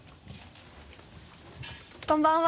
こんばんは。